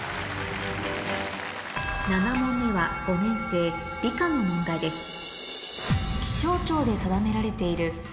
７問目は５年生理科の問題ですそう。